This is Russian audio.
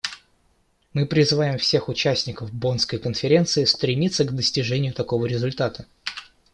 Мы призываем всех участников Боннской конференции стремиться к достижению такого результата.